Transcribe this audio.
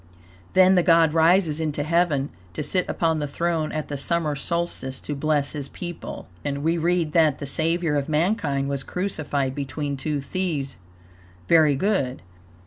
Then the God rises into heaven, to sit upon the throne at the summer solstice, to bless his people. We read, that, the Savior of mankind was crucified between two thieves. Very good.